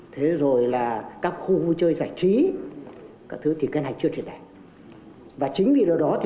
thế rồi là các khu vui chơi giải trí các thứ thì cái này chưa triệt đề và chính vì điều đó thì